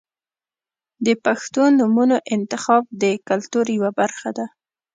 • د پښتو نومونو انتخاب د کلتور یوه برخه ده.